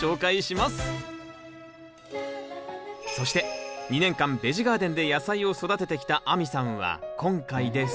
そして２年間ベジ・ガーデンで野菜を育ててきた亜美さんは今回で卒業。